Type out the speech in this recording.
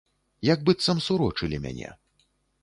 Як быццам сурочылі мяне.